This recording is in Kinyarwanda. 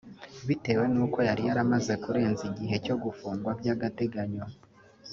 bitewe n’uko yari yaramaze kurenza igihe cyo gufungwa by’agateganyo